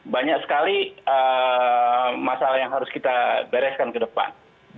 banyak sekali masalah yang harus kita bereskan ke depan